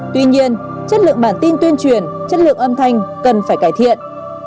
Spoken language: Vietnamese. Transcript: tuy nhiên chất lượng bản tin tuyên truyền chất lượng âm thanh cần phải cải thiện